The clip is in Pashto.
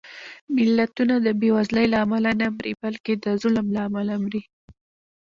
ملتونه د بېوزلۍ له امله نه مري، بلکې د ظلم له امله مري